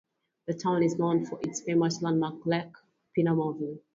The town is known for its famous landmark, Lake Pinamaloy.